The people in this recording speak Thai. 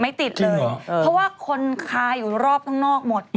ไม่ติดเลยเพราะว่าคนคลายอยู่รอบตรงนอกหมดจริงเหรอ